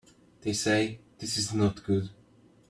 They say this is not good.